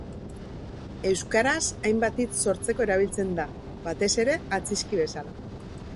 Euskaraz hainbat hitz sortzeko erabiltzen da, batez ere atzizki bezala.